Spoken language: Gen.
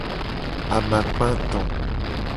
Amakpa eto.